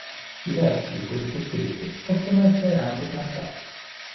I versi di questo scritto possono essere anche cantati.